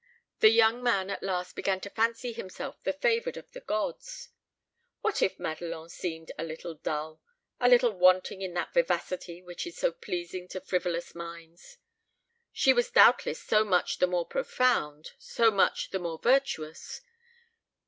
The young man at last began to fancy himself the favoured of the gods. What if Madelon seemed a little dull a little wanting in that vivacity which is so pleasing to frivolous minds? she was doubtless so much the more profound, so much the more virtuous.